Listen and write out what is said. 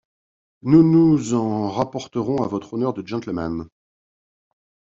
Nous nous en rapporterons à votre honneur de gentleman!